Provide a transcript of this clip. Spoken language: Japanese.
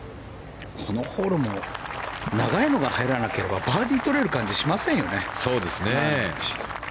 このホールも長いのが入らなければバーディーとれる感じがしませんよね。